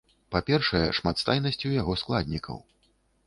Па-першае, шматстайнасцю яго складнікаў.